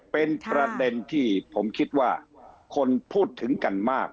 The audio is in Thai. เป็นประเด็นที่ผมคิดว่าคนพูดถึงกันมาก